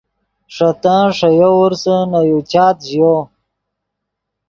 ݰے تن ݰے یوورسے نے یو چات ژیو۔